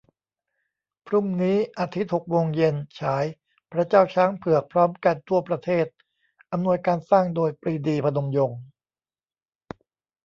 พรุ่งนี้ อาทิตย์ หกโมงเย็น ฉาย "พระเจ้าช้างเผือก" พร้อมกันทั่วประเทศ อำนวยการสร้างโดย ปรีดี พนมยงค์